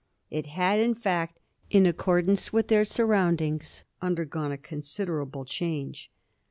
It had, in fact, in accordance with their surroundings, undergone a considerable change.